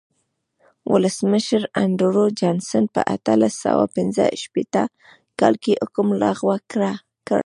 ولسمشر اندرو جانسن په اتلس سوه پنځه شپېته کال کې حکم لغوه کړ.